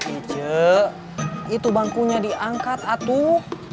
itu bangkunya diangkat atuh